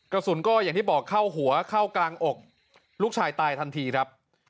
กระสุนก็อย่างที่บอกเข้าหัวเข้ากลางอกลูกชายตายทันทีครับ